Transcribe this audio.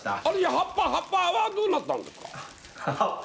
葉っぱ葉っぱはどうなったんですか？